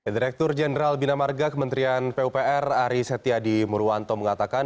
direktur jenderal bina marga kementerian pupr ari setia di muruwanto mengatakan